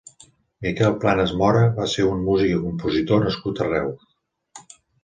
Miquel Planàs Mora va ser un músic i compositor nascut a Reus.